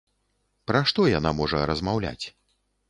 Пра што яна можа размаўляць?